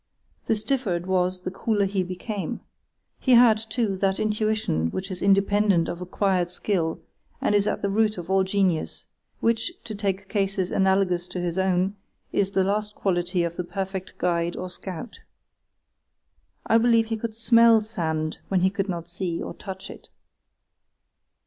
The stiffer it was the cooler he became. He had, too, that intuition which is independent of acquired skill, and is at the root of all genius; which, to take cases analogous to his own, is the last quality of the perfect guide or scout. I believe he could smell sand where he could not see or touch it.